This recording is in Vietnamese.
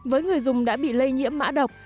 với người dùng đã bị lây nhiễm mã độc